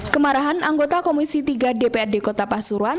kemarahan anggota komisi tiga dprd kota pasuruan